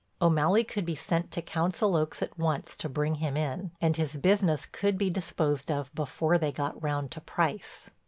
O'Malley could be sent to Council Oaks at once to bring him in, and his business could be disposed of before they got round to Price.